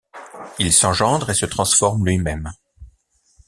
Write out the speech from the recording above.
Il s’engendre et se transforme lui-même.